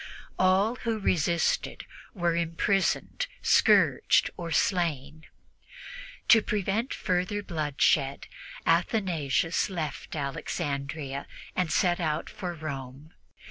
All who resisted were imprisoned, scourged or slain. To prevent further bloodshed, Athanasius left Alexandria and set out for Rome.